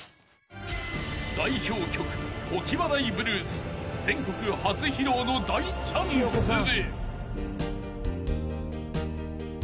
［代表曲『常盤台ブルース』全国初披露の大チャンスで］